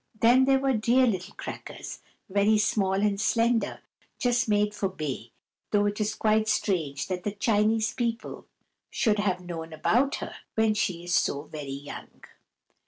Then there were dear little crackers, very small and slender, just made for Bay, though it is quite strange that the Chinese people should have known about her, when she is so very young.